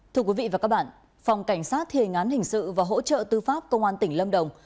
thưa quý vị và các bạn phòng cảnh sát thề ngán hình sự và hỗ trợ tư pháp công an tỉnh lâm đồng